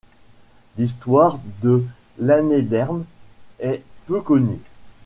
L'histoire de Lannédern est peu connue.